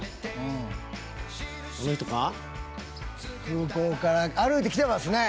空港から歩いてきてますね。